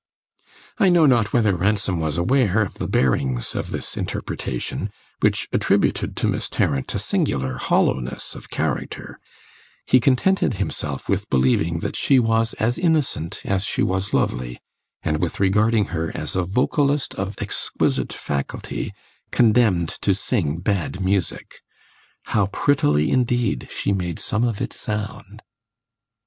I know not whether Ransom was aware of the bearings of this interpretation, which attributed to Miss Tarrant a singular hollowness of character; he contented himself with believing that she was as innocent as she was lovely, and with regarding her as a vocalist of exquisite faculty, condemned to sing bad music. How prettily, indeed, she made some of it sound!